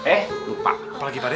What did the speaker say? eh lupa apa lagi pak de